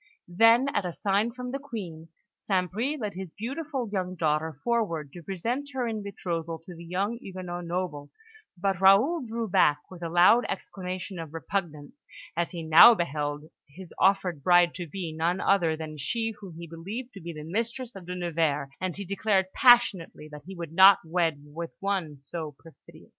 Then, at a sign from the Queen, St. Bris led his beautiful young daughter forward to present her in betrothal to the young Huguenot noble; but Raoul drew back with a loud exclamation of repugnance, as he now beheld his offered bride to be none other than she whom he believed to be the mistress of De Nevers, and he declared passionately that he would not wed with one so perfidious.